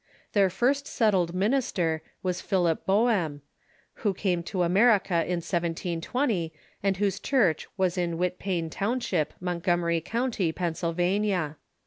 Their first settled minister was Philip IJoehm, who came to America in 1720, and whose church was in Whit pain township, ]\[ontgomery County, Pennsylvania.